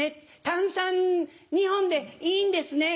単三２本でいいんですね？